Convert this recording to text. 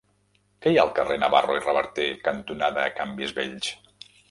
Què hi ha al carrer Navarro i Reverter cantonada Canvis Vells?